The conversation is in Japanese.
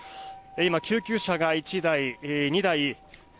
今、救急車が１台、２台。